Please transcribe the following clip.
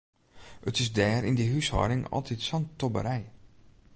It is dêr yn dy húshâlding altyd sa'n tobberij.